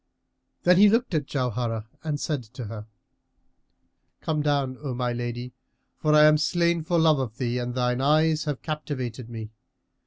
Then he looked at Jauharah and said to her, "Come down, O my lady; for I am slain for love of thee and thine eyes have captivated me.